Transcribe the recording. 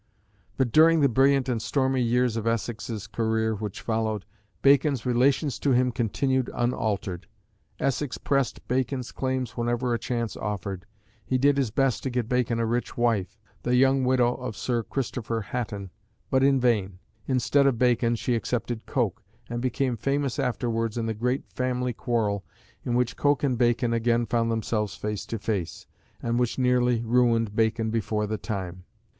But during the brilliant and stormy years of Essex's career which followed, Bacon's relations to him continued unaltered. Essex pressed Bacon's claims whenever a chance offered. He did his best to get Bacon a rich wife the young widow of Sir Christopher Hatton but in vain. Instead of Bacon she accepted Coke, and became famous afterwards in the great family quarrel, in which Coke and Bacon again found themselves face to face, and which nearly ruined Bacon before the time.